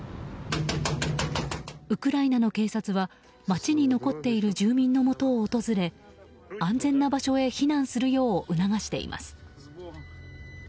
ウクライナの警察は街に残っている住民のもとを訪れ安全な場所へ避難するよう促しています。